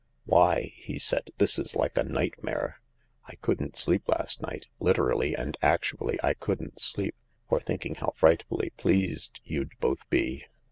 "Why," he said, "this is like a nightmare ! I couldn't sleep last night— literally and actually I couldn't sleep— for THE LARK 158 thinking how frightfully pleased you'd both be.